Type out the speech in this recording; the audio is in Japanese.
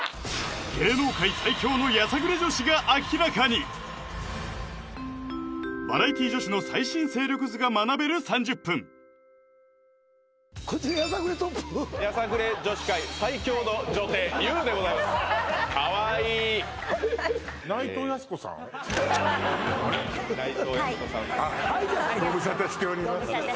芸能界最強のやさぐれ女子が明らかにバラエティー女子の最新勢力図が学べる３０分やさぐれ女子界最強の女帝ＹＯＵでございますかわいいご無沙汰しております